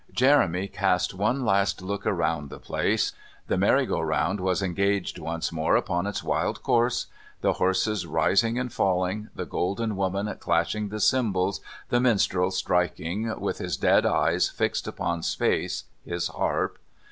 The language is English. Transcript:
Jeremy cast one last look around the place; the merry go round was engaged once more upon its wild course, the horses rising and falling, the golden woman clashing the cymbals, the minstrel striking, with his dead eyes fixed upon space, his harp.